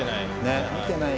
見てない。